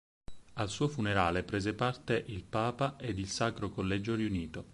Al suo funerale prese parte il papa ed il Sacro Collegio riunito.